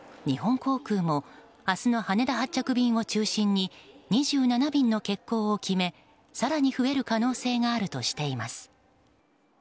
日本航空も明日の羽田発着便を中心に２７便の欠航を決め、更に増える可能性があるとしています。